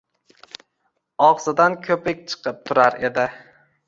og‘zidan ko‘pik chiqib turar edi.